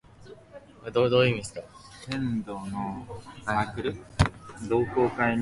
검도 동호회에 중국 사람하고 한국 사람이 많은데 일본 사람 한 명만 있어요.